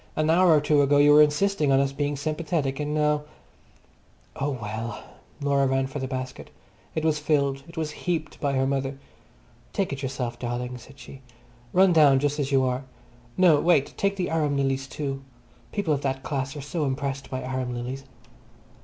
An hour or two ago you were insisting on us being sympathetic, and now—" Oh well! Laura ran for the basket. It was filled, it was heaped by her mother. "Take it yourself, darling," said she. "Run down just as you are. No, wait, take the arum lilies too. People of that class are so impressed by arum lilies."